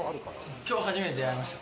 きょう初めて出会いました。